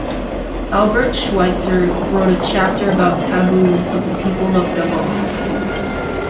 Albert Schweitzer wrote a chapter about taboos of the people of Gabon.